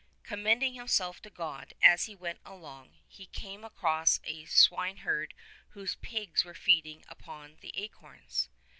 Commending himself to God as he went along, he came across a swineherd whose pigs were feeding upon the acorns.